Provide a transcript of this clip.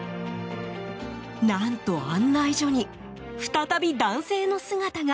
何と、案内所に再び男性の姿が！